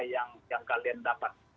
pakai saja angka yang kalian dapat